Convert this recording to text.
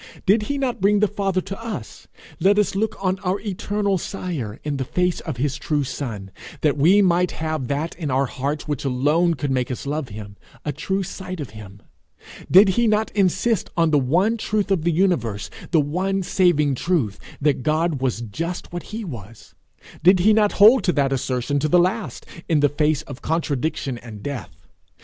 Did he not bring the Father to us, let us look on our eternal Sire in the face of his true son, that we might have that in our hearts which alone could make us love him a true sight of him? Did he not insist on the one truth of the universe, the one saving truth, that God was just what he was? Did he not hold to that assertion to the last, in the face of contradiction and death?